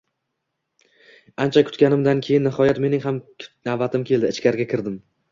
Ancha kutganimdan keyin nihoyat mening ham navbatim kelib, ichkariga kirdim